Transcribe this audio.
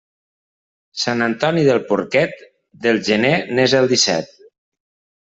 Sant Antoni del porquet del gener n'és el disset.